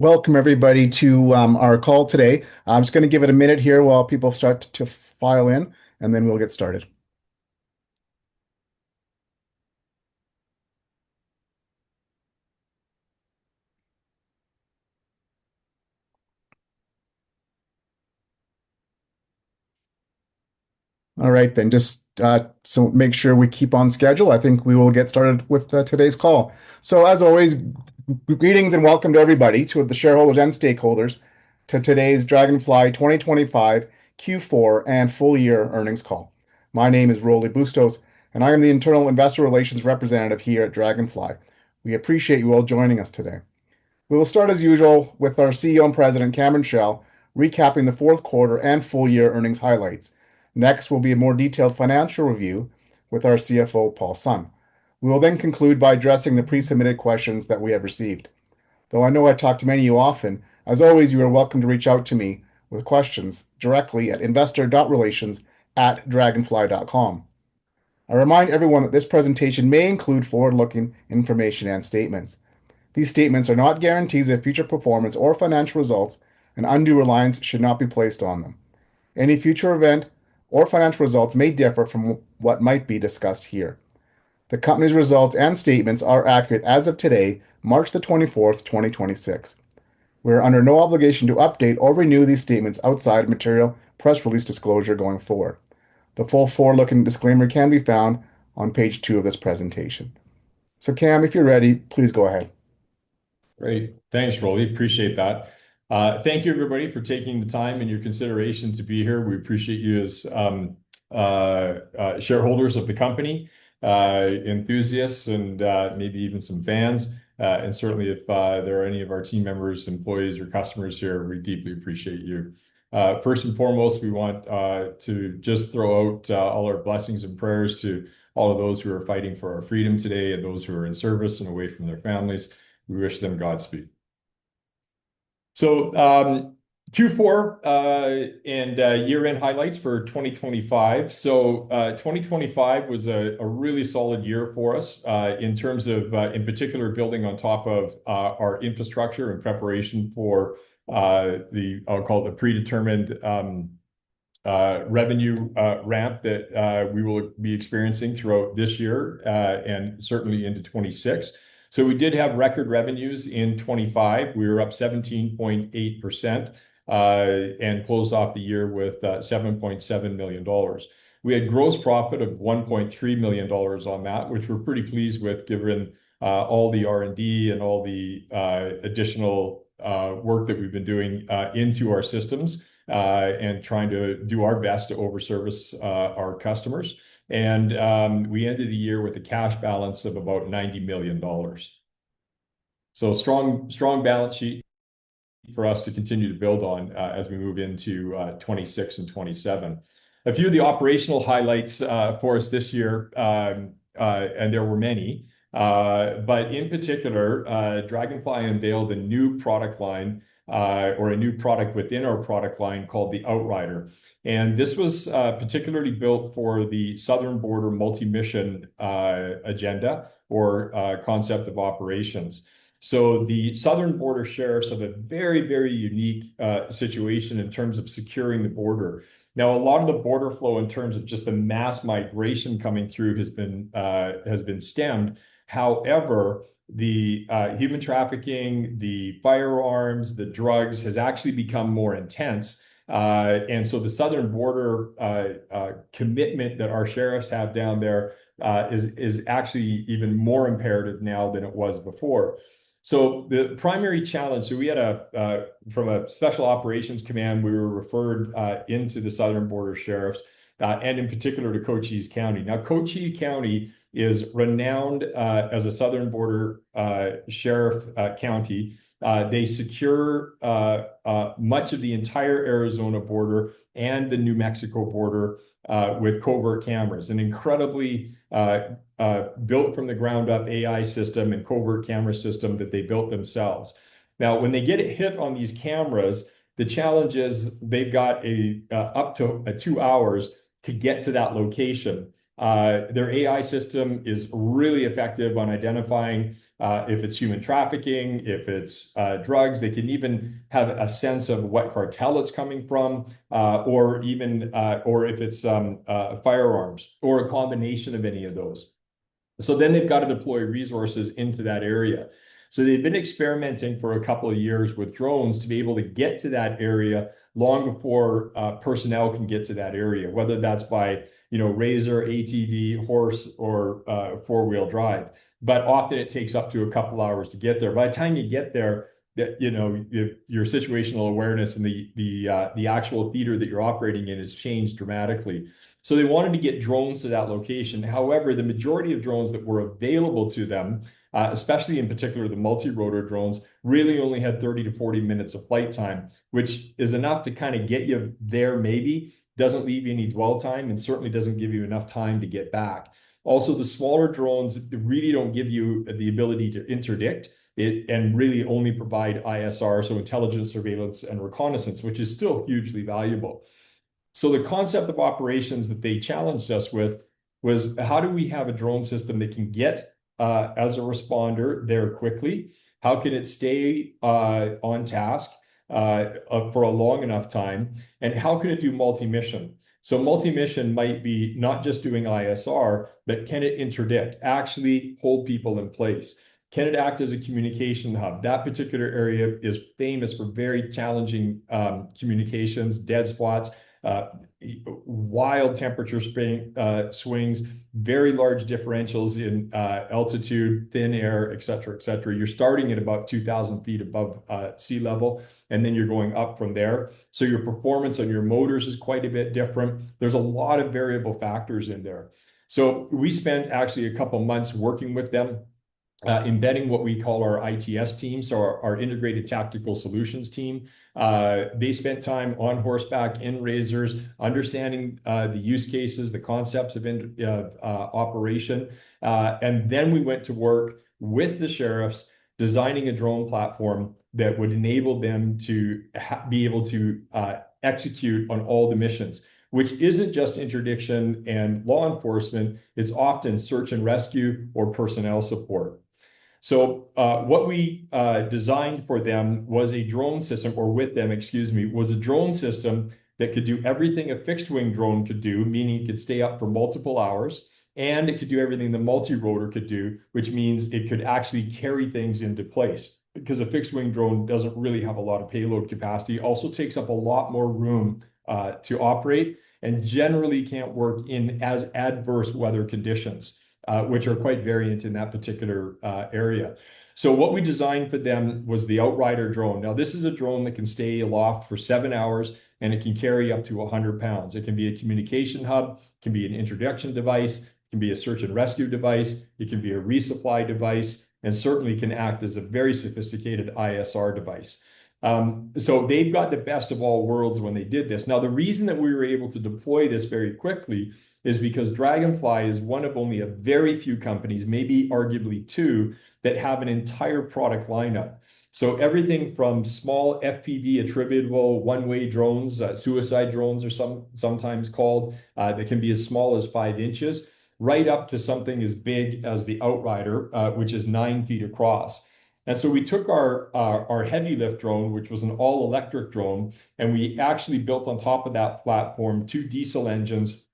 Welcome everybody to our call today. I'm just gonna give it a minute here while people start to file in, and then we'll get started. All right then. Just so make sure we keep on schedule. I think we will get started with today's call. As always, greetings and welcome to everybody, to the shareholders and stakeholders to today's Draganfly 2025 Q4 and full-year earnings call. My name is Rolly Bustos, and I am the Internal Investor Relations Representative here at Draganfly. We appreciate you all joining us today. We will start as usual with our CEO and President, Cameron Chell, recapping the fourth quarter and full-year earnings highlights. Next will be a more detailed financial review with our CFO, Paul Sun. We will conclude by addressing the pre-submitted questions that we have received. Though I know I talk to many of you often, as always, you are welcome to reach out to me with questions directly at investor.relations@draganfly.com. I remind everyone that this presentation may include forward-looking information and statements. These statements are not guarantees of future performance or financial results, and undue reliance should not be placed on them. Any future event or financial results may differ from what might be discussed here. The company's results and statements are accurate as of today, March 24, 2026. We are under no obligation to update or renew these statements outside material press release disclosure going forward. The full forward-looking disclaimer can be found on page two of this presentation. Cam, if you're ready, please go ahead. Great. Thanks, Rolly. Appreciate that. Thank you everybody for taking the time and your consideration to be here. We appreciate you as shareholders of the company, enthusiasts and maybe even some fans. Certainly if there are any of our team members, employees or customers here, we deeply appreciate you. First and foremost, we want to just throw out all our blessings and prayers to all of those who are fighting for our freedom today and those who are in service and away from their families. We wish them Godspeed. Q4 and year-end highlights for 2025. 2025 was a really solid year for us, in terms of, in particular building on top of, our infrastructure in preparation for, the I'll call it the predetermined revenue ramp that, we will be experiencing throughout this year, and certainly into 2026. We did have record revenues in 2025. We were up 17.8%, and closed off the year with $7.7 million. We had gross profit of $1.3 million on that, which we're pretty pleased with given, all the R&D and all the, additional, work that we've been doing, into our systems, and trying to do our best to over-service, our customers. We ended the year with a cash balance of about $90 million. Strong balance sheet for us to continue to build on as we move into 2026 and 2027. A few of the operational highlights for us this year and there were many, but in particular, Draganfly unveiled a new product line or a new product within our product line called the Outrider. This was particularly built for the Southern Border multi-mission agenda or concept of operations. The Southern Border sheriffs have a very unique situation in terms of securing the border. Now, a lot of the border flow in terms of just the mass migration coming through has been stemmed. However, the human trafficking, the firearms, the drugs has actually become more intense. The Southern Border commitment that our sheriffs have down there is actually even more imperative now than it was before. From a Special Operations Command, we were referred into the Southern Border sheriffs and in particular to Cochise County. Now, Cochise County is renowned as a Southern Border sheriff county. They secure much of the entire Arizona border and the New Mexico border with covert cameras, an incredibly built from the ground up AI system and covert camera system that they built themselves. Now, when they get a hit on these cameras, the challenge is they've got up to two hours to get to that location. Their AI system is really effective on identifying if it's human trafficking, if it's drugs. They can even have a sense of what cartel it's coming from, or even or if it's firearms or a combination of any of those. They've got to deploy resources into that area. They've been experimenting for a couple of years with drones to be able to get to that area long before personnel can get to that area, whether that's by, you know, RZR, ATV, horse, or four-wheel drive. Often it takes up to a couple hours to get there. By the time you get there, the, you know, your situational awareness and the actual theater that you're operating in has changed dramatically. They wanted to get drones to that location. However, the majority of drones that were available to them, especially in particular the multi-rotor drones, really only had 30-40 minutes of flight time, which is enough to kinda get you there maybe. Doesn't leave you any dwell time, and certainly doesn't give you enough time to get back. Also, the smaller drones, they really don't give you the ability to interdict it, and really only provide ISR, so intelligence, surveillance, and reconnaissance, which is still hugely valuable. The concept of operations that they challenged us with was, how do we have a drone system that can get, as a responder there quickly? How can it stay, on task, for a long enough time? And how can it do multi-mission? Multi-mission might be not just doing ISR, but can it interdict, actually hold people in place? Can it act as a communication hub? That particular area is famous for very challenging communications dead spots, wild temperature swings, very large differentials in altitude, thin air, et cetera. You're starting at about 2,000 ft above sea level, and then you're going up from there. Your performance on your motors is quite a bit different. There's a lot of variable factors in there. We spent actually a couple of months working with them, embedding what we call our ITS team, so our Integrated Tactical Solutions team. They spent time on horseback in razors understanding the use cases, the concepts of operation. We went to work with the sheriffs designing a drone platform that would enable them to be able to execute on all the missions, which isn't just interdiction and law enforcement, it's often search and rescue or personnel support. What we designed with them, excuse me, was a drone system that could do everything a fixed-wing drone could do, meaning it could stay up for multiple hours, and it could do everything the multi-rotor could do, which means it could actually carry things into place. Because a fixed-wing drone doesn't really have a lot of payload capacity, also takes up a lot more room to operate, and generally can't work in as adverse weather conditions, which are quite varied in that particular area. What we designed for them was the Outrider drone. Now, this is a drone that can stay aloft for seven hours, and it can carry up to 100 lbs. It can be a communication hub, it can be an interdiction device, it can be a search and rescue device, it can be a resupply device, and certainly can act as a very sophisticated ISR device. They've got the best of all worlds when they did this. Now, the reason that we were able to deploy this very quickly is because Draganfly is one of only a very few companies, maybe arguably two, that have an entire product lineup. Everything from small FPV attritable one-way drones, suicide drones or sometimes called, that can be as small as five inches, right up to something as big as the Outrider, which is nine feet across. We took our heavy lift drone, which was an all-electric drone, and we actually built on top of that platform two diesel engines,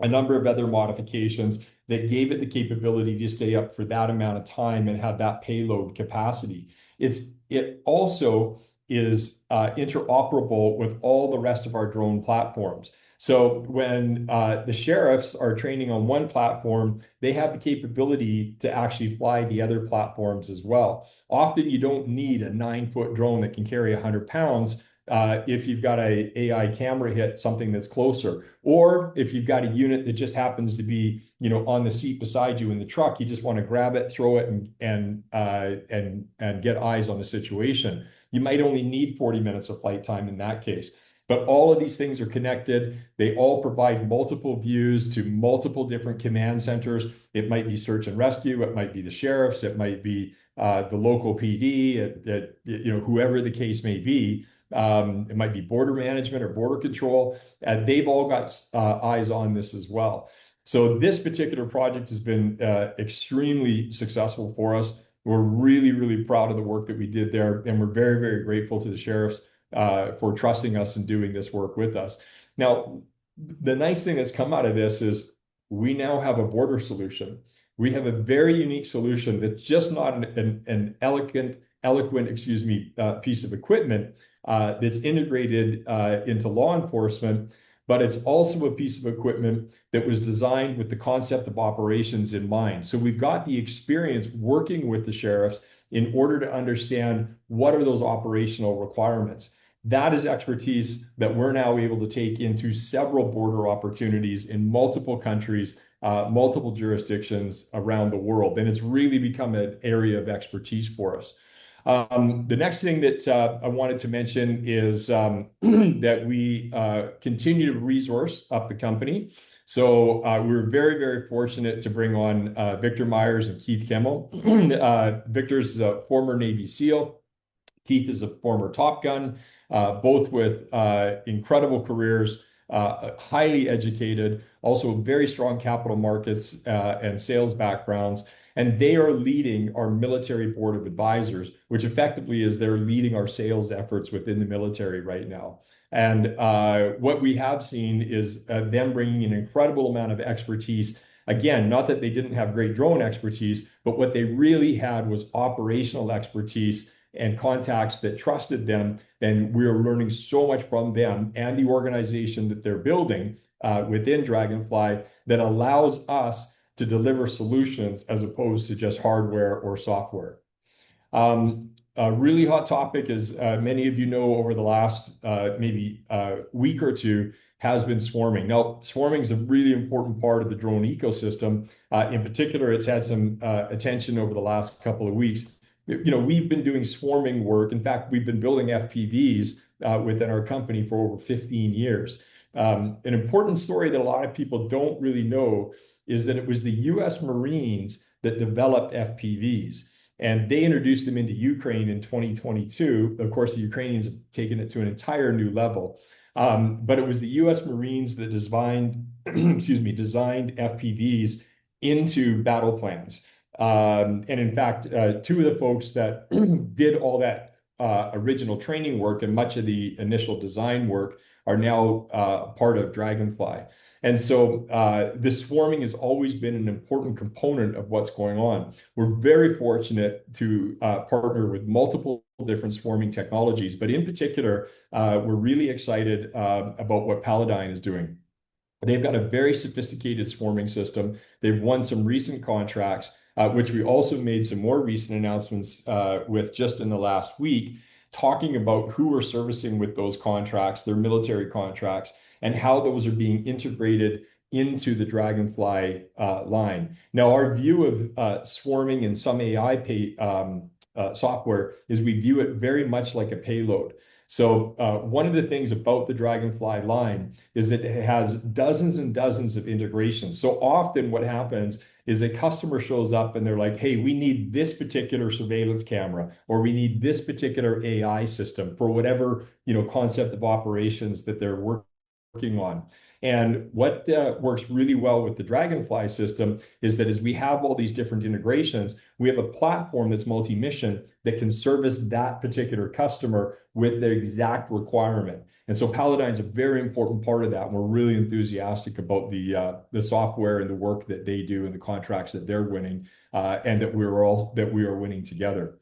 a number of other modifications that gave it the capability to stay up for that amount of time and have that payload capacity. It also is interoperable with all the rest of our drone platforms. When the sheriffs are training on one platform, they have the capability to actually fly the other platforms as well. Often, you don't need a 9-ft drone that can carry 100 lbs if you've got an AI camera hit something that's closer, or if you've got a unit that just happens to be, you know, on the seat beside you in the truck, you just wanna grab it, throw it, and get eyes on the situation. You might only need 40 minutes of flight time in that case. All of these things are connected. They all provide multiple views to multiple different command centers. It might be search and rescue, it might be the sheriffs, it might be the local PD, you know, whoever the case may be. It might be border management or border control. They've all got eyes on this as well. This particular project has been extremely successful for us. We're really, really proud of the work that we did there, and we're very, very grateful to the sheriffs for trusting us and doing this work with us. Now, the nice thing that's come out of this is we now have a border solution. We have a very unique solution that's just not an eloquent piece of equipment that's integrated into law enforcement, but it's also a piece of equipment that was designed with the concept of operations in mind. We've got the experience working with the sheriffs in order to understand what are those operational requirements. That is expertise that we're now able to take into several border opportunities in multiple countries, multiple jurisdictions around the world. It's really become an area of expertise for us. The next thing that I wanted to mention is that we continue to resource up the company. We're very, very fortunate to bring on Victor Meyer and Keith Kimmel. Victor's a former Navy SEAL. Keith is a former Top Gun, both with incredible careers, highly educated, also very strong capital markets and sales backgrounds. They are leading our military board of advisors, which effectively is they're leading our sales efforts within the military right now. What we have seen is them bringing an incredible amount of expertise. Again, not that they didn't have great drone expertise, but what they really had was operational expertise and contacts that trusted them. We are learning so much from them and the organization that they're building within Draganfly that allows us to deliver solutions as opposed to just hardware or software. A really hot topic as many of you know, over the last maybe week or two has been swarming. Now, swarming is a really important part of the drone ecosystem. In particular, it's had some attention over the last couple of weeks. You know, we've been doing swarming work. In fact, we've been building FPVs within our company for over 15 years. An important story that a lot of people don't really know is that it was the U.S. Marines that developed FPVs, and they introduced them into Ukraine in 2022. Of course, the Ukrainians have taken it to an entire new level. It was the U.S. Marines that designed FPVs into battle plans. In fact, two of the folks that did all that original training work and much of the initial design work are now part of Draganfly. The swarming has always been an important component of what's going on. We're very fortunate to partner with multiple different swarming technologies. In particular, we're really excited about what Palladyne AI is doing. They've got a very sophisticated swarming system. They've won some recent contracts, which we also made some more recent announcements with just in the last week, talking about who we're servicing with those contracts, their military contracts, and how those are being integrated into the Draganfly line. Now, our view of swarming in some AI software is we view it very much like a payload. One of the things about the Draganfly line is that it has dozens and dozens of integrations. Often what happens is a customer shows up and they're like, "Hey, we need this particular surveillance camera," or, "We need this particular AI system," for whatever, you know, concept of operations that they're working on. What works really well with the Draganfly system is that as we have all these different integrations, we have a platform that's multi-mission that can service that particular customer with their exact requirement. Palladyne is a very important part of that, and we're really enthusiastic about the software and the work that they do and the contracts that they're winning, and that we are winning together.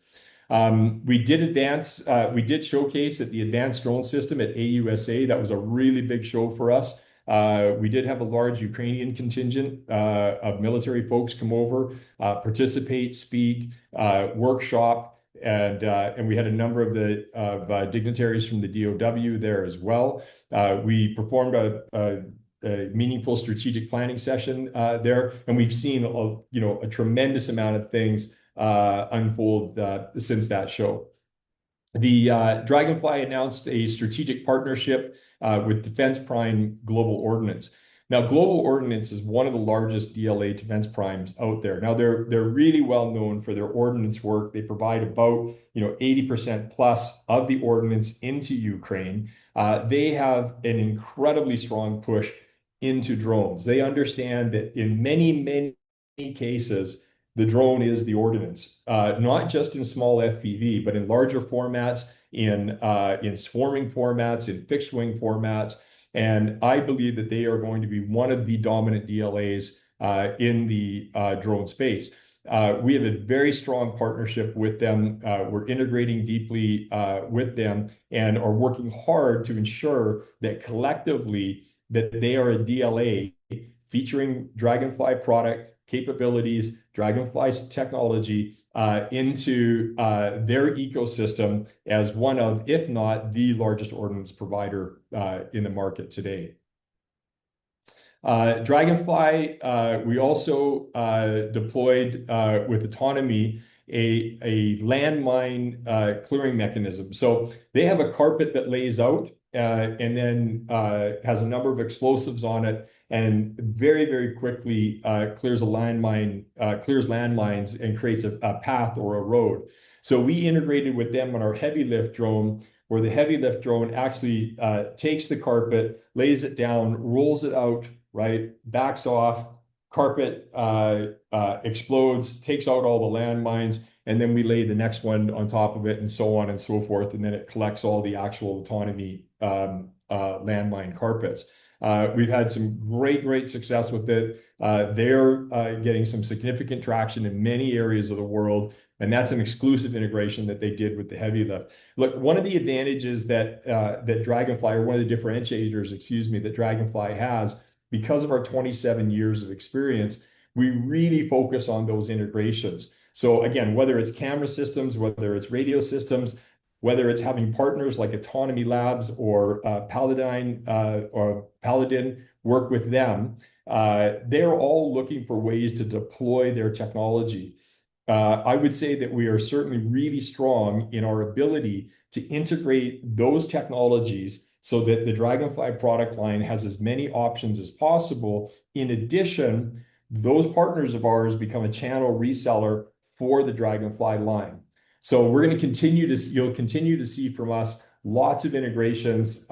We did showcase at the Advanced Drone System at AUSA. That was a really big show for us. We did have a large Ukrainian contingent of military folks come over, participate, speak, workshop, and we had a number of the dignitaries from the DOD there as well. We performed a meaningful strategic planning session there, and we've seen, you know, a tremendous amount of things unfold since that show. Draganfly announced a strategic partnership with Defense Prime Global Ordnance. Global Ordnance is one of the largest DLA primes out there. They're really well known for their ordnance work. They provide about, you know, 80%-plus of the ordnance into Ukraine. They have an incredibly strong push into drones. They understand that in many cases, the drone is the ordnance. Not just in small FPV, but in larger formats, in swarming formats, in fixed wing formats. I believe that they are going to be one of the dominant DLAs in the drone space. We have a very strong partnership with them. We're integrating deeply with them and are working hard to ensure that collectively, that they are a DLA featuring Draganfly product capabilities, Draganfly's technology into their ecosystem as one of, if not the largest ordnance provider in the market today. Draganfly, we also deployed with Autonome a landmine clearing mechanism. They have a carpet that lays out and then has a number of explosives on it and very, very quickly clears landmines and creates a path or a road. We integrated with them on our heavy lift drone, where the heavy lift drone actually takes the carpet, lays it down, rolls it out, right? Backs off carpet explodes, takes out all the landmines, and then we lay the next one on top of it, and so on and so forth, and then it collects all the actual Autonome landmine carpets. We've had some great success with it. They're getting some significant traction in many areas of the world, and that's an exclusive integration that they did with the heavy lift. Look, one of the advantages that Draganfly or one of the differentiators, excuse me, that Draganfly has, because of our 27 years of experience, we really focus on those integrations. Again, whether it's camera systems, whether it's radio systems, whether it's having partners like Autonome Labs or Palladyne work with them, they're all looking for ways to deploy their technology. I would say that we are certainly really strong in our ability to integrate those technologies so that the Draganfly product line has as many options as possible. In addition, those partners of ours become a channel reseller for the Draganfly line. We're gonna continue. You'll continue to see from us lots of integrations,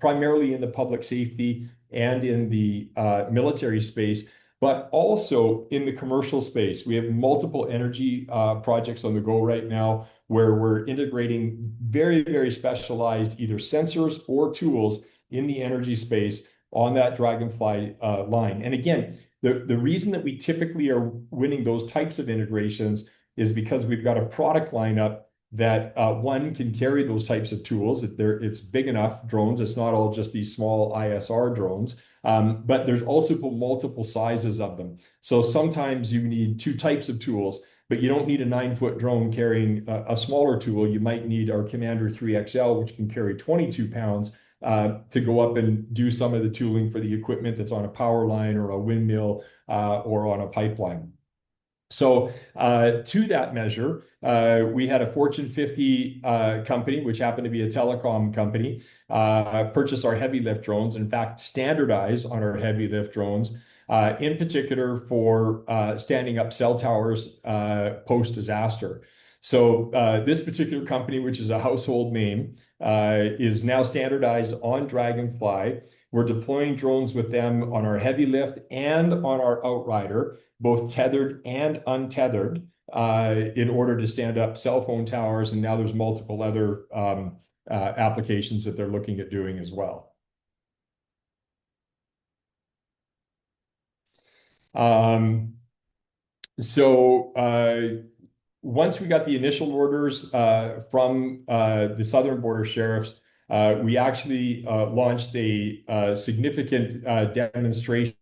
primarily in the public safety and in the military space, but also in the commercial space. We have multiple energy projects on the go right now where we're integrating very, very specialized either sensors or tools in the energy space on that Draganfly line. Again, the reason that we typically are winning those types of integrations is because we've got a product lineup that one can carry those types of tools. It's big enough drones. It's not all just these small ISR drones, but there's also multiple sizes of them. Sometimes you need two types of tools, but you don't need a 9-ft drone carrying a smaller tool. You might need our Commander 3XL, which can carry 22 lbs to go up and do some of the tooling for the equipment that's on a power line or a windmill or on a pipeline. To that measure, we had a Fortune 50 company, which happened to be a telecom company, purchase our heavy lift drones, in fact, standardize on our heavy lift drones, in particular for standing up cell towers post-disaster. This particular company, which is a household name, is now standardized on Draganfly. We're deploying drones with them on our heavy lift and on our Outrider, both tethered and untethered, in order to stand up cell phone towers. Now there's multiple other applications that they're looking at doing as well. Once we got the initial orders from the Southern border sheriffs, we actually launched a significant demonstration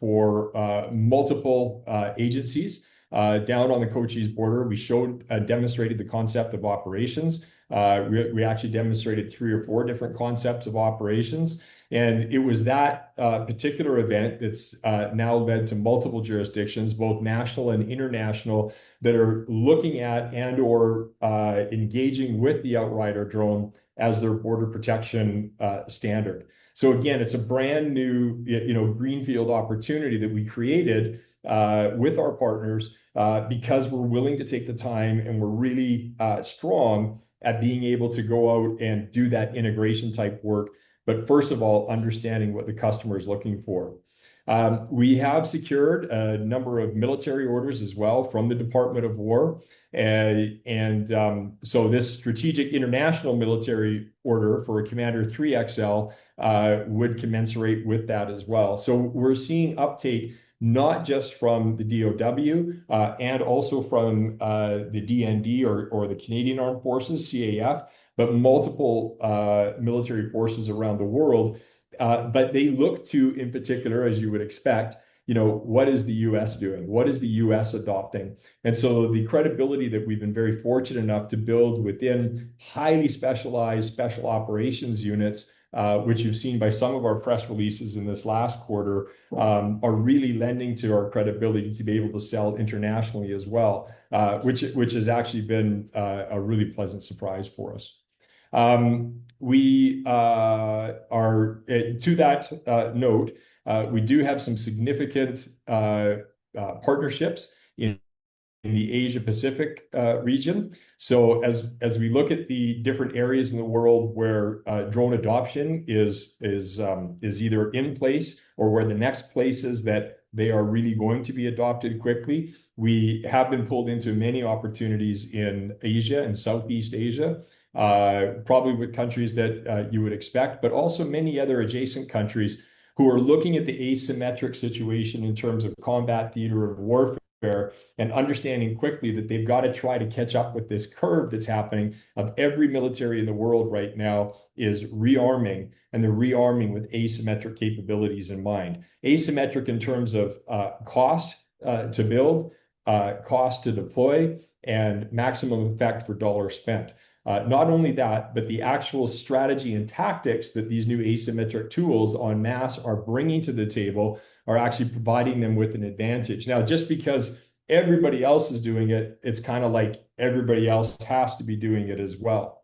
for multiple agencies down on the Cochise border. We showed, demonstrated the concept of operations. We actually demonstrated three or four different concepts of operations. It was that particular event that's now led to multiple jurisdictions, both national and international, that are looking at and or engaging with the Outrider drone as their border protection standard. Again, it's a brand new greenfield opportunity that we created with our partners because we're willing to take the time and we're really strong at being able to go out and do that integration type work. First of all, understanding what the customer is looking for. We have secured a number of military orders as well from the Department of War. This strategic international military order for a Commander 3XL would commensurate with that as well. We're seeing uptake not just from the DOW and also from the DND or the Canadian Armed Forces, CAF, but multiple military forces around the world. They look to, in particular, as you would expect, you know, what is the U.S. doing? What is the U.S. adopting? The credibility that we've been very fortunate enough to build within highly specialized special operations units, which you've seen by some of our press releases in this last quarter, are really lending to our credibility to be able to sell internationally as well, which has actually been a really pleasant surprise for us. We are, to that note, we do have some significant partnerships in the Asia-Pacific region. As we look at the different areas in the world where drone adoption is either in place or where the next places that they are really going to be adopted quickly, we have been pulled into many opportunities in Asia and Southeast Asia, probably with countries that you would expect, but also many other adjacent countries who are looking at the asymmetric situation in terms of combat theater of warfare and understanding quickly that they've got to try to catch up with this curve that's happening of every military in the world right now is rearming and they're rearming with asymmetric capabilities in mind. Asymmetric in terms of cost to build, cost to deploy, and maximum effect for dollar spent. Not only that, but the actual strategy and tactics that these new asymmetric tools en masse are bringing to the table are actually providing them with an advantage. Now, just because everybody else is doing it's kind of like everybody else has to be doing it as well,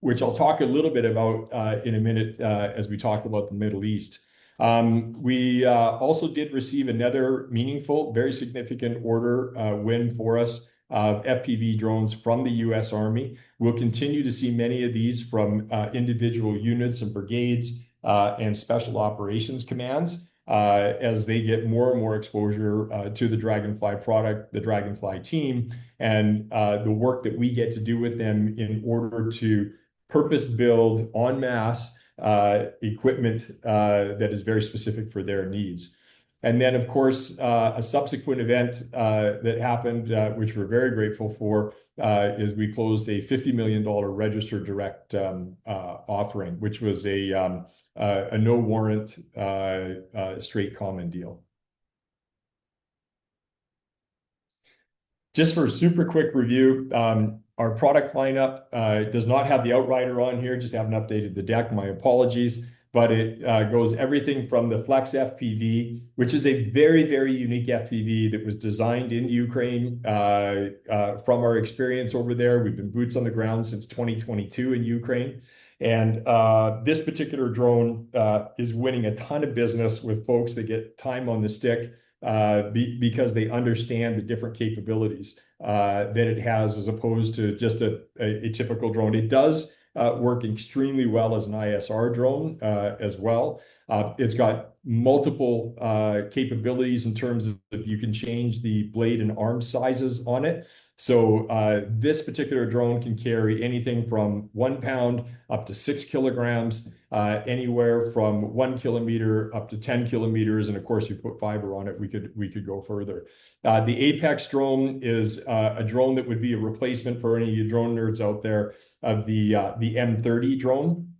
which I'll talk a little bit about in a minute as we talk about the Middle East. We also did receive another meaningful, very significant order win for us of FPV drones from the U.S. Army. We'll continue to see many of these from individual units and brigades and special operations commands as they get more and more exposure to the Draganfly product, the Draganfly team, and the work that we get to do with them in order to purpose build en masse equipment that is very specific for their needs. Then, of course, a subsequent event that happened, which we're very grateful for, is we closed a $50 million registered direct offering, which was a no warrant straight common deal. Just for a super quick review, our product lineup does not have the Outrider on here. Just haven't updated the deck. My apologies. It goes everything from the Flex FPV, which is a very, very unique FPV that was designed in Ukraine from our experience over there. We've been boots on the ground since 2022 in Ukraine. This particular drone is winning a ton of business with folks that get time on the stick because they understand the different capabilities that it has as opposed to just a typical drone. It does work extremely well as an ISR drone as well. It's got multiple capabilities in terms of you can change the blade and arm sizes on it. This particular drone can carry anything from 1 lbs up to 6 kg, anywhere from 1 km up to 10 km. Of course, you put fiber on it. We could go further. The APEX drone is a drone that would be a replacement for any of you drone nerds out there for the M30 drone.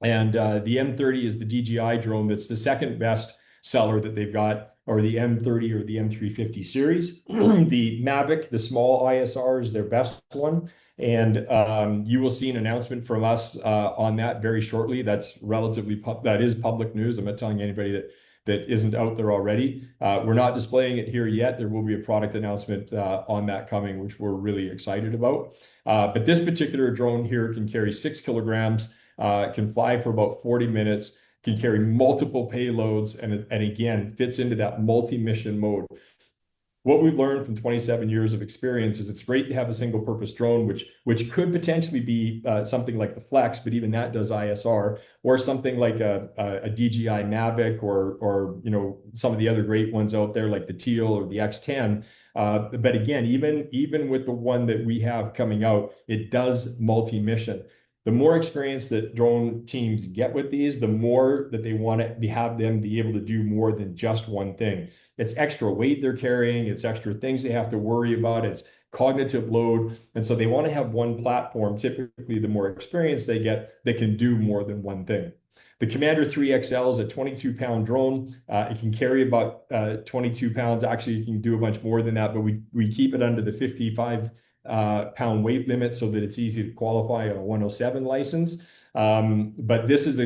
The M30 is the DJI drone that's the second-best seller that they've got, or the M30 or the M350 series. The Mavic, the small ISR, is their best one. You will see an announcement from us on that very shortly. That's relatively public news. I'm not telling anybody that that isn't out there already. We're not displaying it here yet. There will be a product announcement on that coming, which we're really excited about. This particular drone here can carry 6 kg, it can fly for about 40 minutes, can carry multiple payloads, and again, fits into that multi-mission mode. What we've learned from 27 years of experience is it's great to have a single-purpose drone, which could potentially be something like the Flex, but even that does ISR, or something like a DJI Mavic or, you know, some of the other great ones out there like the Teal or the X10. Again, even with the one that we have coming out, it does multi-mission. The more experience that drone teams get with these, the more that they wanna have them be able to do more than just one thing. It's extra weight they're carrying, it's extra things they have to worry about, it's cognitive load, and so they wanna have one platform. Typically, the more experience they get, they can do more than one thing. The Commander 3XL is a 22-lbs drone. It can carry about 22 lbs. Actually, it can do much more than that, but we keep it under the 55-lbs weight limit so that it's easy to qualify a Part 107 license. But this is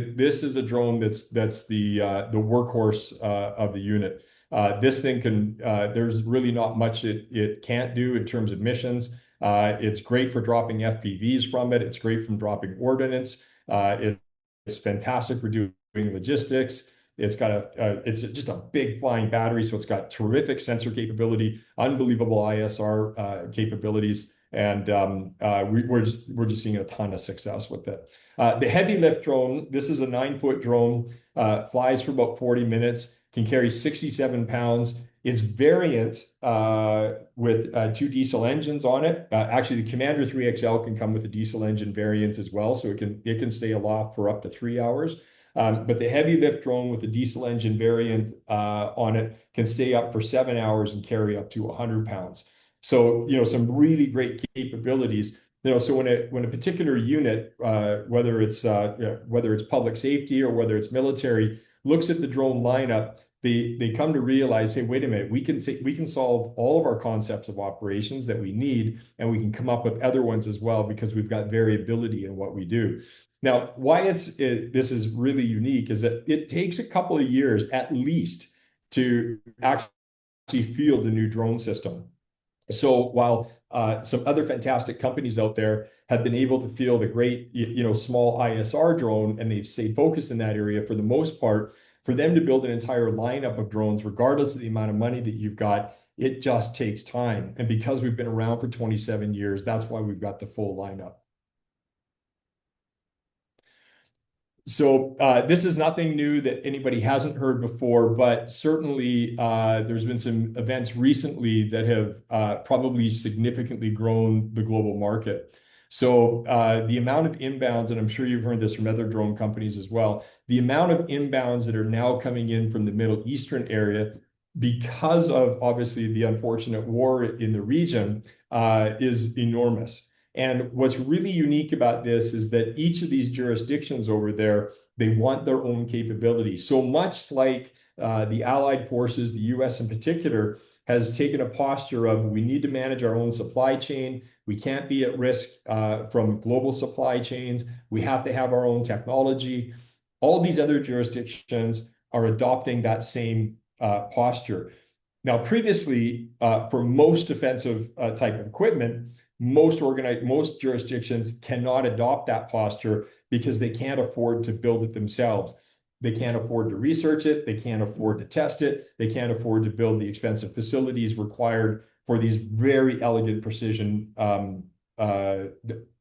a drone that's the workhorse of the unit. There's really not much it can't do in terms of missions. It's great for dropping FPVs from it. It's great for dropping ordnance. It's fantastic for doing logistics. It's just a big flying battery, so it's got terrific sensor capability, unbelievable ISR capabilities, and we're just seeing a ton of success with it. The heavy lift drone, this is a 9-ft drone, flies for about 40 minutes, can carry 67 lbs. Its variant with two diesel engines on it. Actually, the Commander 3XL can come with a diesel engine variant as well, so it can stay aloft for up to three hours. But the heavy lift drone with the diesel engine variant on it can stay up for seven hours and carry up to 100 lbs. You know, some really great capabilities. You know, when a particular unit, whether it's public safety or whether it's military, looks at the drone lineup, they come to realize, "Hey, wait a minute. We can solve all of our concepts of operations that we need, and we can come up with other ones as well because we've got variability in what we do." Now, why this is really unique is that it takes a couple of years at least to actually field a new drone system. While some other fantastic companies out there have been able to field a great, you know, small ISR drone, and they've stayed focused in that area for the most part. For them to build an entire lineup of drones, regardless of the amount of money that you've got, it just takes time. Because we've been around for 27 years, that's why we've got the full lineup. This is nothing new that anybody hasn't heard before, but certainly, there's been some events recently that have probably significantly grown the global market. The amount of inbounds, and I'm sure you've heard this from other drone companies as well, the amount of inbounds that are now coming in from the Middle Eastern area because of obviously the unfortunate war in the region, is enormous. What's really unique about this is that each of these jurisdictions over there, they want their own capability. Much like, the allied forces, the U.S. in particular, has taken a posture of, "We need to manage our own supply chain. We can't be at risk, from global supply chains. We have to have our own technology. All these other jurisdictions are adopting that same posture. Now previously, for most defensive type of equipment, most jurisdictions cannot adopt that posture because they can't afford to build it themselves. They can't afford to research it. They can't afford to test it. They can't afford to build the expensive facilities required for these very elegant precision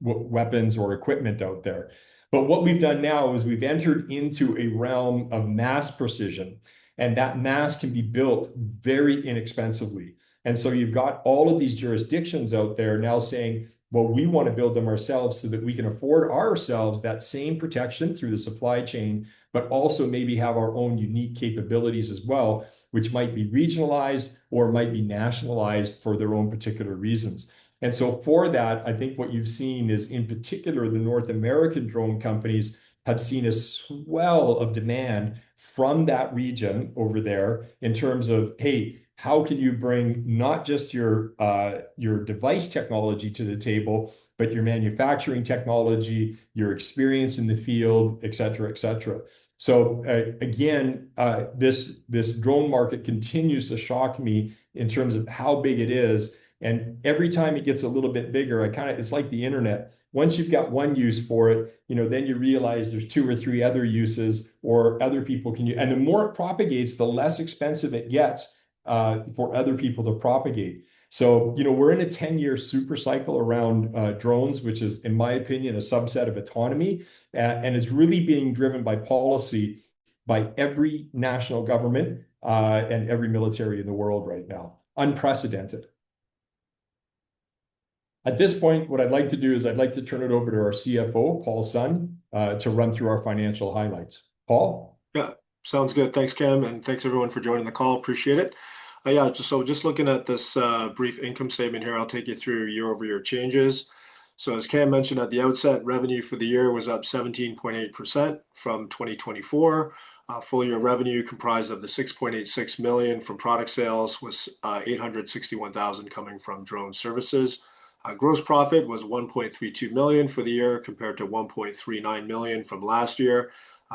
weapons or equipment out there. What we've done now is we've entered into a realm of mass precision, and that mass can be built very inexpensively. You've got all of these jurisdictions out there now saying, "Well, we wanna build them ourselves so that we can afford ourselves that same protection through the supply chain, but also maybe have our own unique capabilities as well," which might be regionalized or might be nationalized for their own particular reasons. For that, I think what you've seen is, in particular, the North American drone companies have seen a swell of demand from that region over there in terms of, "Hey, how can you bring not just your device technology to the table, but your manufacturing technology, your experience in the field, et cetera, et cetera?" This drone market continues to shock me in terms of how big it is, and every time it gets a little bit bigger, it's like the internet. Once you've got one use for it, you know, then you realize there's two or three other uses or other people can. The more it propagates, the less expensive it gets for other people to propagate. You know, we're in a ten-year super cycle around drones, which is, in my opinion, a subset of autonomy. And it's really being driven by policy by every national government and every military in the world right now. Unprecedented. At this point, what I'd like to do is I'd like to turn it over to our CFO, Paul Sun, to run through our financial highlights. Paul? Yeah. Sounds good. Thanks, Cam, and thanks everyone for joining the call. Appreciate it. Looking at this brief income statement here, I'll take you through year-over-year changes. As Cam mentioned at the outset, revenue for the year was up 17.8% from 2024. Full-year revenue comprised of the $6.86 million from product sales, with $861,000 coming from drone services. Gross profit was $1.32 million for the year, compared to $1.39 million from last year.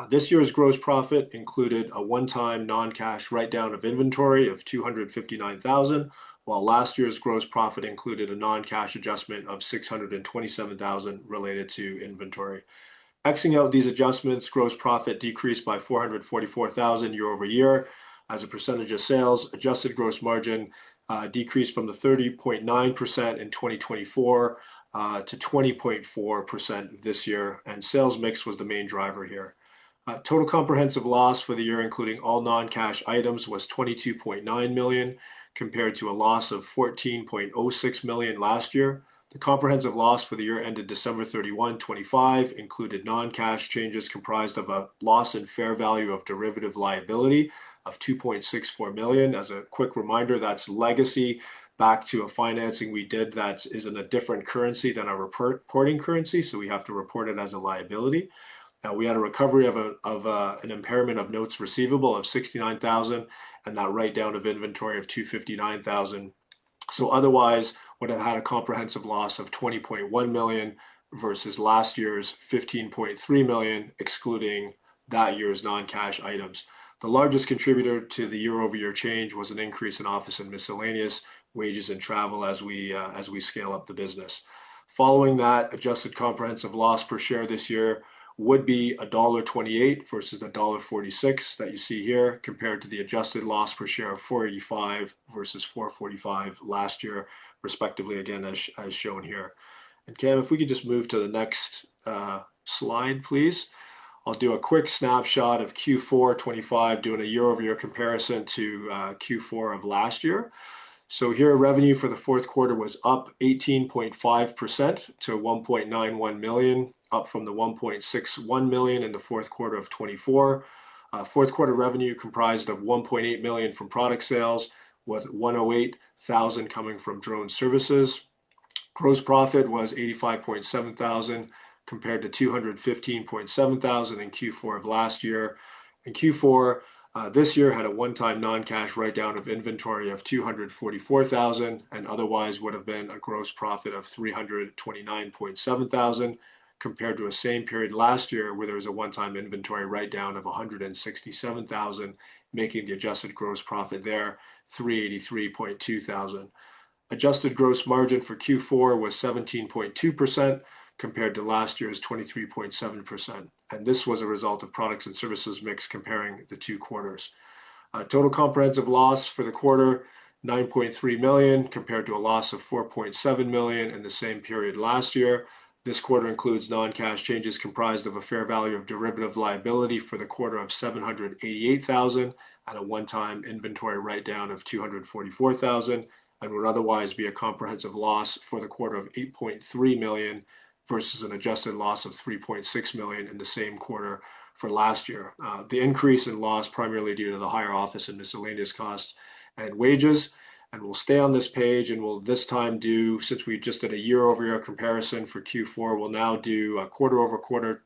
This year's gross profit included a one-time non-cash write-down of inventory of $259,000, while last year's gross profit included a non-cash adjustment of $627,000 related to inventory. Excluding these adjustments, gross profit decreased by $444,000 year-over-year. As a percentage of sales, adjusted gross margin decreased from the 30.9% in 2024 to 20.4% this year, and sales mix was the main driver here. Total comprehensive loss for the year, including all non-cash items, was $22.9 million, compared to a loss of $14.06 million last year. The comprehensive loss for the year ended December 31, 2025 included non-cash changes comprised of a loss in fair value of derivative liability of $2.64 million. As a quick reminder, that's legacy back to a financing we did that is in a different currency than our reporting currency, so we have to report it as a liability. We had a recovery of an impairment of notes receivable of $69,000, and that write-down of inventory of $259,000. Otherwise, we would have had a comprehensive loss of $20.1 million versus last year's $15.3 million, excluding that year's non-cash items. The largest contributor to the year-over-year change was an increase in office and miscellaneous wages and travel as we scale up the business. Following that, adjusted comprehensive loss per share this year would be $1.28 versus $1.46 that you see here, compared to the adjusted loss per share of $0.485 versus $0.445 last year, respectively, again, as shown here. Cam, if we could just move to the next slide, please. I'll do a quick snapshot of Q4 2025, doing a year-over-year comparison to Q4 of last year. Here, revenue for the fourth quarter was up 18.5% to $1.91 million, up from the $1.61 million in the fourth quarter of 2024. Fourth quarter revenue comprised $1.8 million from product sales, with $108,000 coming from drone services. Gross profit was $85,700, compared to $215,700 in Q4 of last year. In Q4, this year had a one-time non-cash write-down of inventory of $244,000, and otherwise would have been a gross profit of $329,700, compared to a same period last year, where there was a one-time inventory write-down of $167,000, making the adjusted gross profit there $383,200. Adjusted gross margin for Q4 was 17.2%, compared to last year's 23.7%, and this was a result of products and services mix comparing the two quarters. Total comprehensive loss for the quarter, $9.3 million, compared to a loss of $4.7 million in the same period last year. This quarter includes non-cash changes comprised of a fair value of derivative liability for the quarter of $788,000 at a one-time inventory write-down of $244,000, and would otherwise be a comprehensive loss for the quarter of $8.3 million versus an adjusted loss of $3.6 million in the same quarter for last year. The increase in loss primarily due to the higher office and miscellaneous costs and wages. We'll stay on this page, and we'll this time do, since we just did a year-over-year comparison for Q4, we'll now do a quarter-over-quarter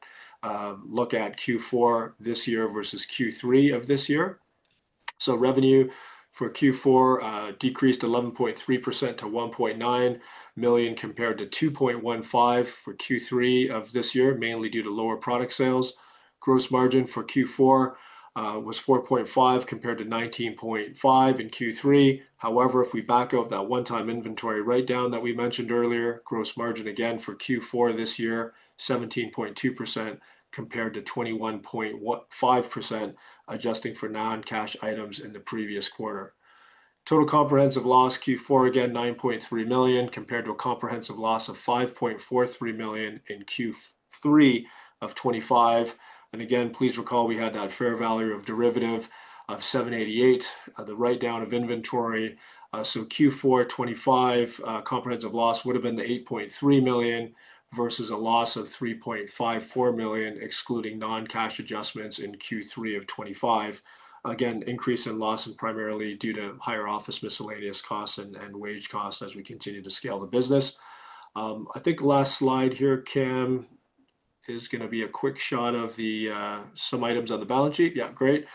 look at Q4 this year versus Q3 of this year. Revenue for Q4 decreased 11.3% to $1.9 million, compared to $2.15 million for Q3 of this year, mainly due to lower product sales. Gross margin for Q4 was 4.5%, compared to 19.5% in Q3. However, if we back out that one-time inventory write-down that we mentioned earlier, gross margin for Q4 this year, 17.2% compared to 21.5%, adjusting for non-cash items in the previous quarter. Total comprehensive loss Q4, $9.3 million, compared to a comprehensive loss of $5.43 million in Q3 of 2025. Please recall we had that fair value of derivative of $788,000, the write-down of inventory. Q4 2025 comprehensive loss would've been $8.3 million, versus a loss of $3.54 million, excluding non-cash adjustments in Q3 of 2025. Again, increase in loss is primarily due to higher office miscellaneous costs and wage costs as we continue to scale the business. I think last slide here, Cam, is gonna be a quick shot of the some items on the balance sheet. Yeah, great.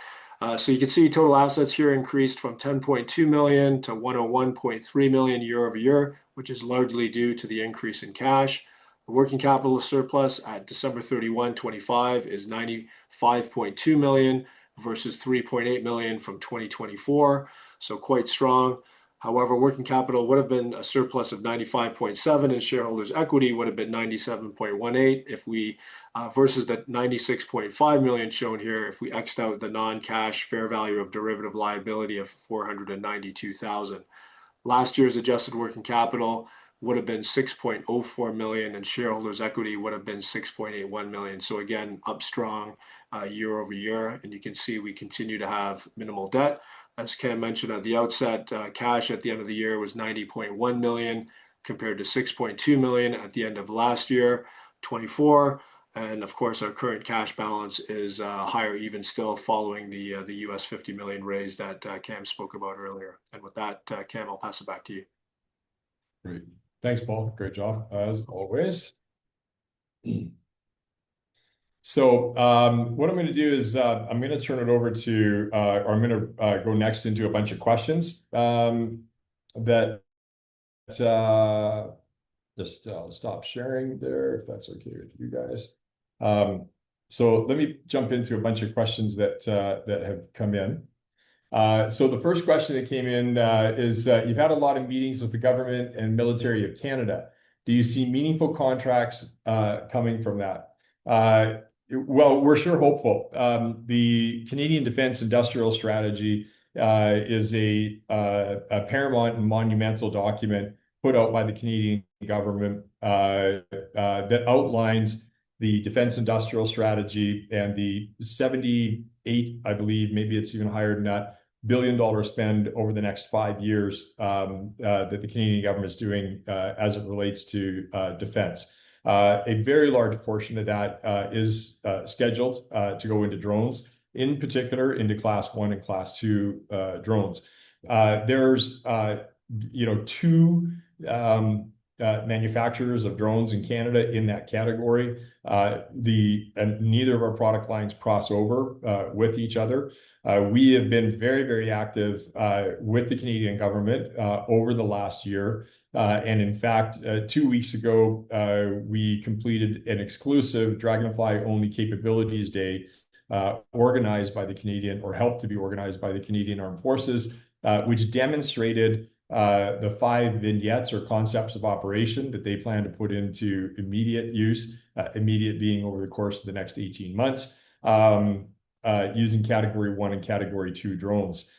So you can see total assets here increased from $10.2 million to $101.3 million year-over-year, which is largely due to the increase in cash. Working capital surplus at December 31, 2025 is $95.2 million, versus $3.8 million from 2024, so quite strong. However, working capital would've been a surplus of $95.7 million, and shareholders' equity would've been $97.18 million if we versus the $96.5 million shown here if we X-ed out the non-cash fair value of derivative liability of $492,000. Last year's adjusted working capital would have been 6.04 million, and shareholders' equity would have been 6.81 million. Again, up strong year-over-year, and you can see we continue to have minimal debt. As Cam mentioned at the outset, cash at the end of the year was 90.1 million, compared to 6.2 million at the end of last year, 2024. Of course, our current cash balance is higher even still following the $50 million raise that Cam spoke about earlier. With that, Cam, I'll pass it back to you. Great. Thanks, Paul. Great job, as always. What I'm gonna do is, I'm gonna go next into a bunch of questions. Just stop sharing there if that's okay with you guys. Let me jump into a bunch of questions that have come in. The first question that came in is, you've had a lot of meetings with the government and military of Canada. Do you see meaningful contracts coming from that? Well, we're sure hopeful. The Canadian Defence Industrial Strategy is a paramount and monumental document put out by the Canadian government that outlines the Defence Industrial Strategy and the 78 billion, I believe, maybe it's even higher than that, dollar spend over the next five years that the Canadian government is doing as it relates to Defence. A very large portion of that is scheduled to go into drones, in particular into Class I and Class II drones. There's, you know, two manufacturers of drones in Canada in that category. Neither of our product lines cross over with each other. We have been very, very active with the Canadian government over the last year. In fact, two weeks ago, we completed an exclusive Draganfly only capabilities day, organized by the Canadian Armed Forces or helped to be organized by the Canadian Armed Forces, which demonstrated the five vignettes or concepts of operation that they plan to put into immediate use, immediate being over the course of the next 18 months, using Category I and Category II drones.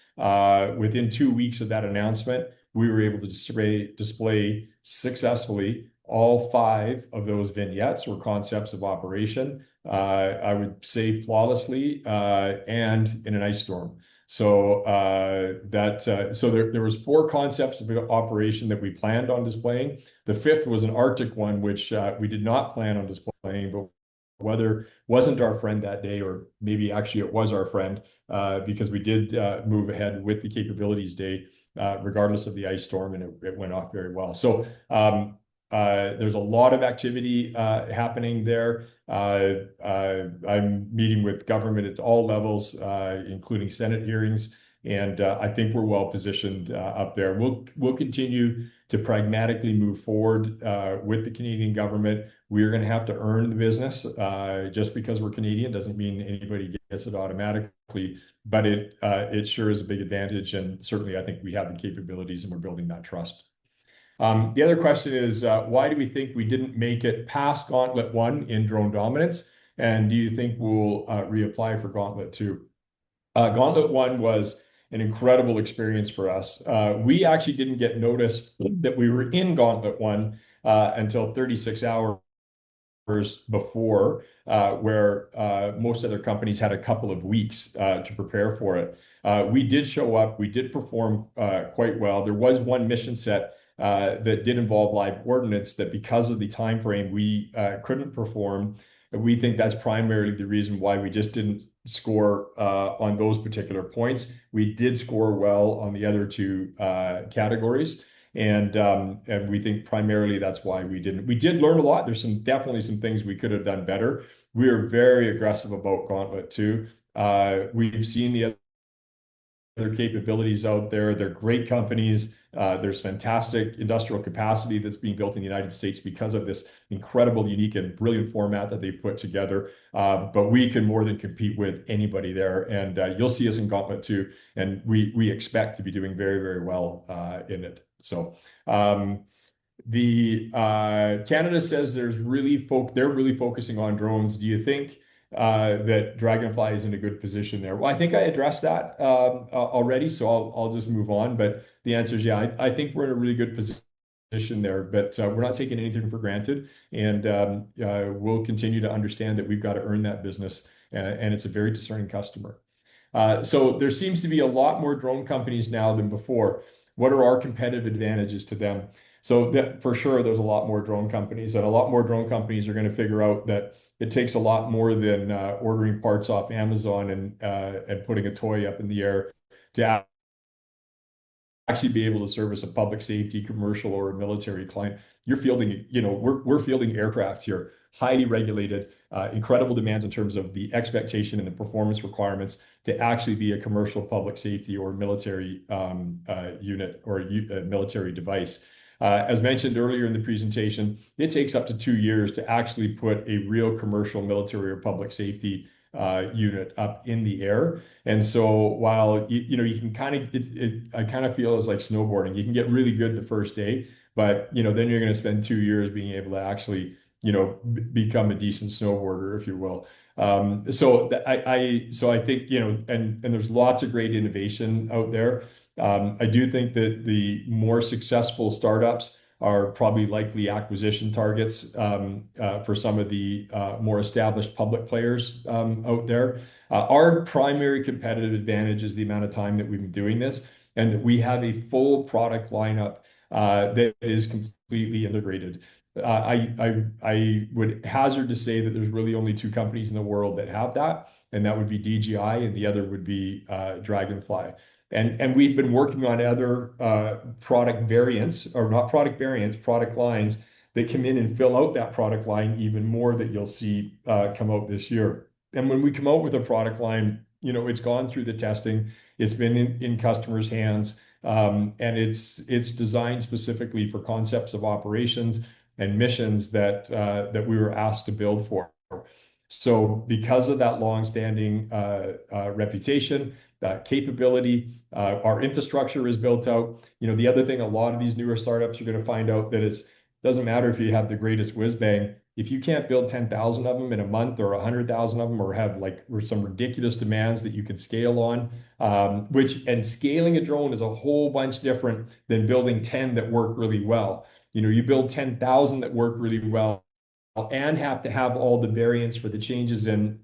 Within two weeks of that announcement, we were able to display successfully all five of those vignettes or concepts of operation, I would say flawlessly, and in an ice storm. That was four concepts of operation that we planned on displaying. The fifth was an Arctic one, which we did not plan on displaying, but weather wasn't our friend that day, or maybe actually it was our friend, because we did move ahead with the capabilities day, regardless of the ice storm, and it went off very well. There's a lot of activity happening there. I'm meeting with government at all levels, including Senate hearings, and I think we're well positioned up there. We'll continue to pragmatically move forward with the Canadian government. We are gonna have to earn the business. Just because we're Canadian doesn't mean anybody gets it automatically, but it sure is a big advantage, and certainly I think we have the capabilities, and we're building that trust. The other question is, why do we think we didn't make it past Gauntlet I in Drone Dominance, and do you think we'll reapply for Gauntlet II? Gauntlet I was an incredible experience for us. We actually didn't get notice that we were in Gauntlet I until 36 hours before, where most other companies had a couple of weeks to prepare for it. We did show up. We did perform quite well. There was one mission set that did involve live ordnance that because of the time frame, we couldn't perform. We think that's primarily the reason why we just didn't score on those particular points. We did score well on the other two categories. We think primarily that's why we didn't. We did learn a lot. There's definitely some things we could have done better. We are very aggressive about Gauntlet II. We've seen the other capabilities out there. They're great companies. There's fantastic industrial capacity that's being built in the United States because of this incredible, unique, and brilliant format that they've put together. We can more than compete with anybody there. You'll see us in Gauntlet II, and we expect to be doing very, very well in it. Canada says they're really focusing on drones. Do you think that Draganfly is in a good position there? Well, I think I addressed that already, so I'll just move on. The answer is yeah. I think we're in a really good position there, but we're not taking anything for granted. We'll continue to understand that we've got to earn that business, and it's a very discerning customer. There seems to be a lot more drone companies now than before. What are our competitive advantages to them? For sure, there's a lot more drone companies, and a lot more drone companies are gonna figure out that it takes a lot more than ordering parts off Amazon and putting a toy up in the air to actually be able to service a public safety, commercial, or a military client. You're fielding, you know, we're fielding aircraft here, highly regulated, incredible demands in terms of the expectation and the performance requirements to actually be a commercial public safety or military unit or military device. As mentioned earlier in the presentation, it takes up to two years to actually put a real commercial military or public safety unit up in the air. While you know, you can kinda feel it's like snowboarding. You can get really good the first day, but you know, then you're gonna spend two years being able to actually you know become a decent snowboarder, if you will. I think you know and there's lots of great innovation out there. I do think that the more successful startups are probably likely acquisition targets for some of the more established public players out there. Our primary competitive advantage is the amount of time that we've been doing this and that we have a full product lineup that is completely integrated. I would hazard to say that there's really only two companies in the world that have that, and that would be DJI, and the other would be Draganfly. We've been working on other product variants, or not product variants, product lines that come in and fill out that product line even more that you'll see come out this year. When we come out with a product line, you know, it's gone through the testing, it's been in customers' hands, and it's designed specifically for concepts of operations and missions that we were asked to build for. Because of that long-standing reputation, that capability, our infrastructure is built out. You know, the other thing a lot of these newer startups are gonna find out that it doesn't matter if you have the greatest whiz-bang. If you can't build 10,000 of them in a month or 100,000 of them or have, like, some ridiculous demands that you can scale on, scaling a drone is a whole bunch different than building 10 that work really well. You know, you build 10,000 that work really well and have to have all the variants for the changes in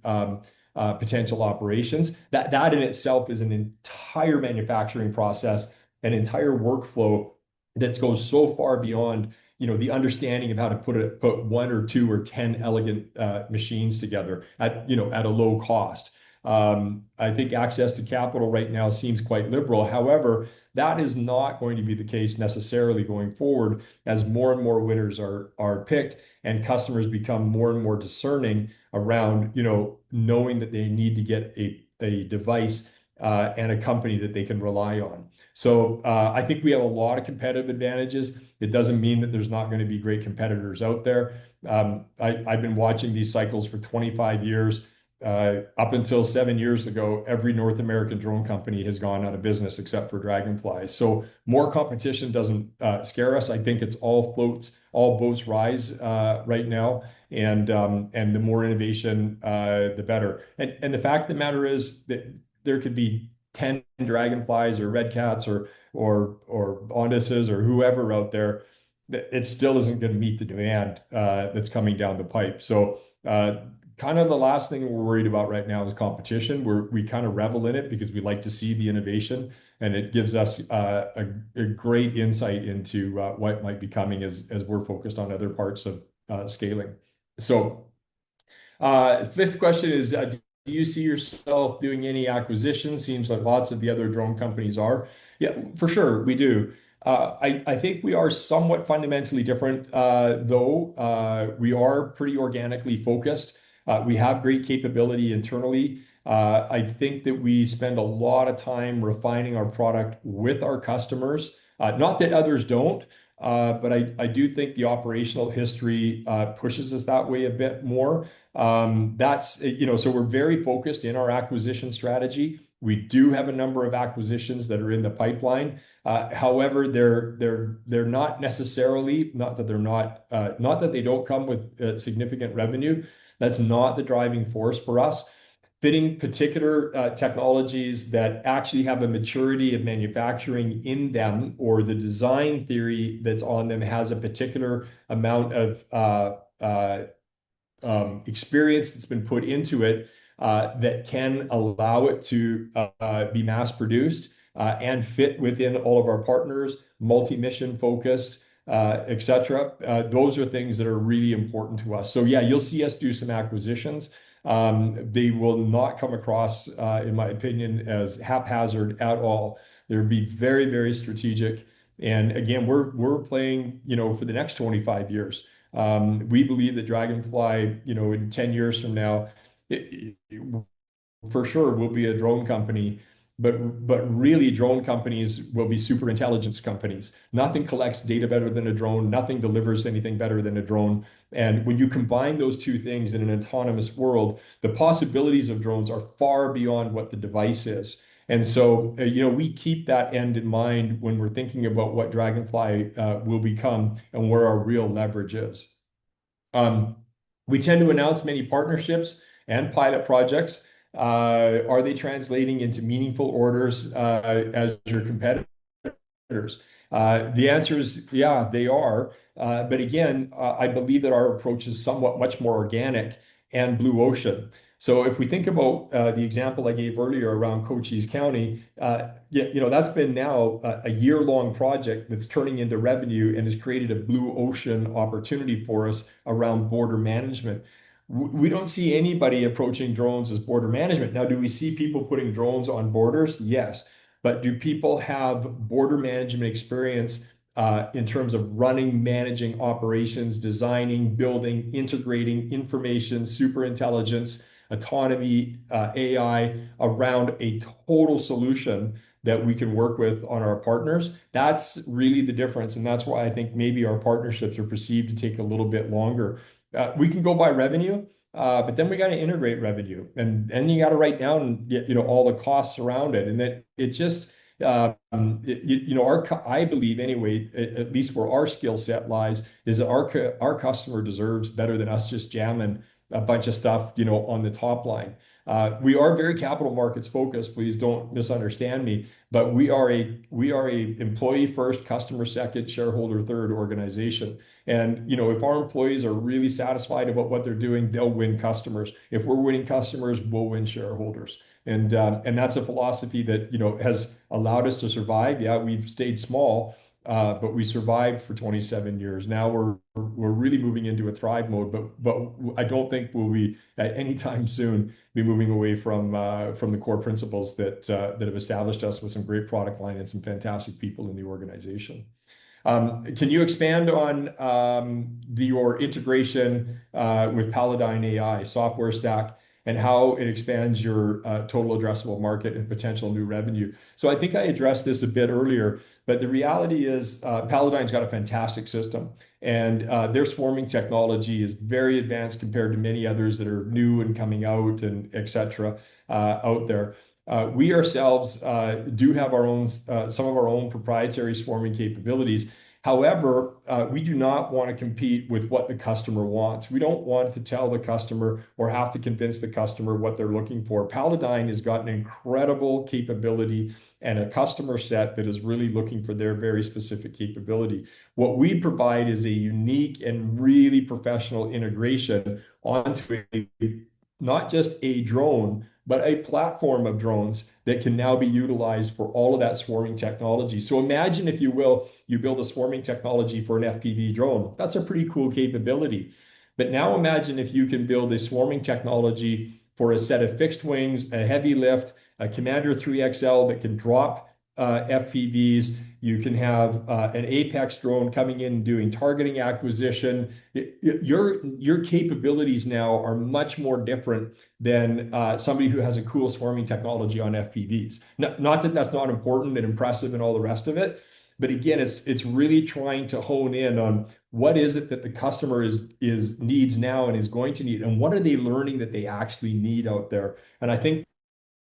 potential operations. That in itself is an entire manufacturing process, an entire workflow that goes so far beyond, you know, the understanding of how to put one or two or 10 elegant machines together at, you know, at a low cost. I think access to capital right now seems quite liberal. However, that is not going to be the case necessarily going forward as more and more winners are picked and customers become more and more discerning around, you know, knowing that they need to get a device and a company that they can rely on. I think we have a lot of competitive advantages. It doesn't mean that there's not gonna be great competitors out there. I've been watching these cycles for 25 years. Up until seven years ago, every North American drone company has gone out of business except for Draganfly. More competition doesn't scare us. I think a rising tide lifts all boats right now, and the more innovation, the better. The fact of the matter is that there could be 10 Draganfly or Red Cat or Audaces or whoever out there, it still isn't gonna meet the demand that's coming down the pipe. The last thing we're worried about right now is competition. We kind of revel in it because we like to see the innovation, and it gives us a great insight into what might be coming as we're focused on other parts of scaling. The fifth question is, do you see yourself doing any acquisitions? Seems like lots of the other drone companies are. Yeah, for sure, we do. I think we are somewhat fundamentally different, though, we are pretty organically focused. We have great capability internally. I think that we spend a lot of time refining our product with our customers. Not that others don't, but I do think the operational history pushes us that way a bit more. That's, you know. We're very focused in our acquisition strategy. We do have a number of acquisitions that are in the pipeline. However, they're not necessarily, not that they're not that they don't come with significant revenue. That's not the driving force for us. Fitting particular technologies that actually have a maturity of manufacturing in them or the design theory that's on them has a particular amount of experience that's been put into it that can allow it to be mass-produced and fit within all of our partners, multi-mission focused, et cetera. Those are things that are really important to us. Yeah, you'll see us do some acquisitions. They will not come across, in my opinion, as haphazard at all. They would be very, very strategic. Again, we're playing, you know, for the next 25 years. We believe that Draganfly, you know, in 10 years from now, it for sure will be a drone company, but really drone companies will be super intelligence companies. Nothing collects data better than a drone. Nothing delivers anything better than a drone. When you combine those two things in an autonomous world, the possibilities of drones are far beyond what the device is. You know, we keep that end in mind when we're thinking about what Draganfly will become and where our real leverage is. We tend to announce many partnerships and pilot projects. Are they translating into meaningful orders as your competitors? The answer is yeah, they are. But again, I believe that our approach is somewhat much more organic and blue ocean. If we think about the example I gave earlier around Cochise County, you know, that's been now a year-long project that's turning into revenue and has created a blue ocean opportunity for us around border management. We don't see anybody approaching drones as border management. Now, do we see people putting drones on borders? Yes. But do people have border management experience in terms of running, managing operations, designing, building, integrating information, super intelligence, autonomy, AI around a total solution that we can work with on our partners? That's really the difference, and that's why I think maybe our partnerships are perceived to take a little bit longer. We can go by revenue, but then we gotta integrate revenue. You gotta write down, you know, all the costs around it. It just, I believe anyway, at least where our skill set lies, is our customer deserves better than us just jamming a bunch of stuff, you know, on the top line. We are very capital markets focused. Please don't misunderstand me. We are a employee first, customer second, shareholder third organization. You know, if our employees are really satisfied about what they're doing, they'll win customers. If we're winning customers, we'll win shareholders. That's a philosophy that, you know, has allowed us to survive. Yeah, we've stayed small, but we survived for 27 years. Now we're really moving into a thrive mode. I don't think we'll be at any time soon be moving away from the core principles that have established us with some great product line and some fantastic people in the organization. Can you expand on your integration with Palladyne AI software stack and how it expands your total addressable market and potential new revenue. I think I addressed this a bit earlier, but the reality is, Palladyne's got a fantastic system, and their swarming technology is very advanced compared to many others that are new and coming out and etcetera out there. We ourselves do have some of our own proprietary swarming capabilities. However, we do not wanna compete with what the customer wants. We don't want to tell the customer or have to convince the customer what they're looking for. Palladyne has got an incredible capability and a customer set that is really looking for their very specific capability. What we provide is a unique and really professional integration onto a, not just a drone, but a platform of drones that can now be utilized for all of that swarming technology. Imagine if you will, you build a swarming technology for an FPV drone. That's a pretty cool capability. Now imagine if you can build a swarming technology for a set of fixed wings, a heavy lift, a Commander 3XL that can drop FPVs. You can have an APEX drone coming in and doing targeting acquisition. Your capabilities now are much more different than somebody who has a cool swarming technology on FPVs. Not that that's not important and impressive and all the rest of it, but again, it's really trying to hone in on what is it that the customer needs now and is going to need, and what are they learning that they actually need out there. I think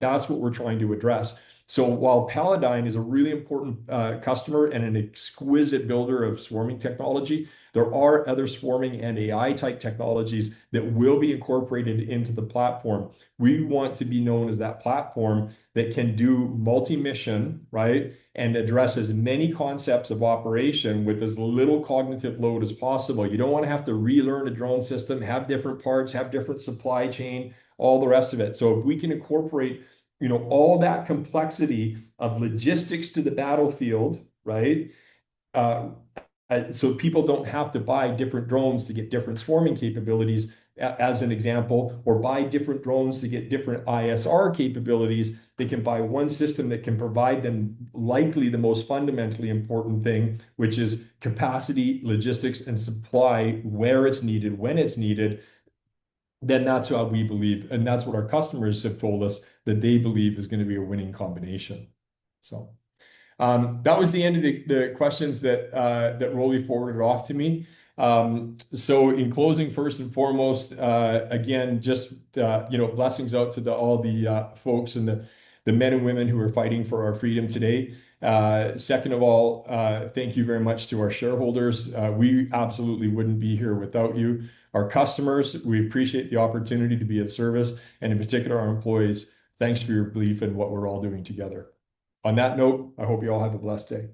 that's what we're trying to address. While Palladyne is a really important customer and an exquisite builder of swarming technology, there are other swarming and AI-type technologies that will be incorporated into the platform. We want to be known as that platform that can do multi mission, right, and addresses many concepts of operation with as little cognitive load as possible. You don't wanna have to relearn a drone system, have different parts, have different supply chain, all the rest of it. If we can incorporate, you know, all that complexity of logistics to the battlefield, right? People don't have to buy different drones to get different swarming capabilities as an example, or buy different drones to get different ISR capabilities. They can buy one system that can provide them likely the most fundamentally important thing, which is capacity, logistics, and supply, where it's needed, when it's needed. That's what we believe, and that's what our customers have told us that they believe is gonna be a winning combination. That was the end of the questions that Rolly forwarded off to me. In closing, first and foremost, again, just, you know, blessings out to all the folks and the men and women who are fighting for our freedom today. Second of all, thank you very much to our shareholders. We absolutely wouldn't be here without you. Our customers, we appreciate the opportunity to be of service, and in particular, our employees, thanks for your belief in what we're all doing together. On that note, I hope you all have a blessed day.